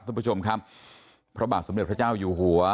ท่านผู้ชมครับพระบาทสมเด็จพระเจ้าอยู่หัว